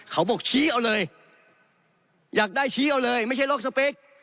เขาบอกชี้เอาเลยอยากได้ชี้เอาเลยไม่ใช่ล็อกสเปค